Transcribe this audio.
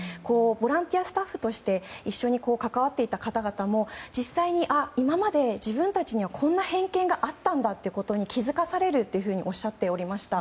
ボランティアスタッフとして一緒に関わっていた方々も実際に今まで自分たちにはこんな偏見があったんだということに気づかされるとおっしゃっておりました。